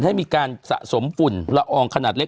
ให้มีการสะสมฝุ่นละอองขนาดเล็ก